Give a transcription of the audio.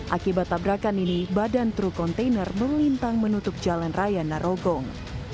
akibat tabrakan ini badan truk kontainer melintang menutup jalan raya narogong